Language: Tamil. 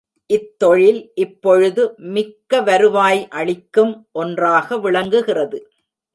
இத்தொழில் இப்பொழுது மிக்கவருவாய் அளிக்கும் ஒன்றாக விளங்குகிறது.